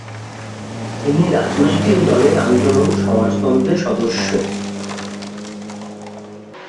তিনি রাজনৈতিক দলের আন্দোলন সমাজতন্ত্রের সদস্য।